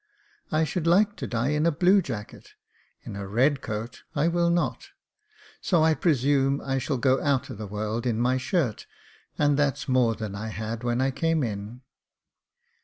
I should like to die in a blue jacket — in a red coat I will not, so I presume I shall go out of the world in my shirt, and that's more than I had when I came in."